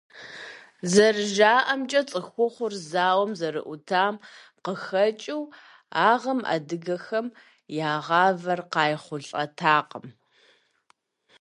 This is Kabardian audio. Зэрыжаӏэмкӏэ, цӏыхухъухэр зауэм зэрыӏутам къыхэкӏыу, а гъэм адыгэхэм я гъавэр къайхъулӏатэкъым.